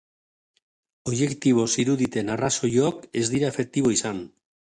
Objektibo ziruditen arrazoiok ez dira efektibo izan.